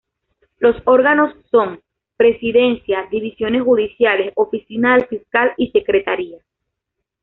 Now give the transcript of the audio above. Los órganos son: Presidencia, Divisiones Judiciales, Oficina del Fiscal y Secretaría.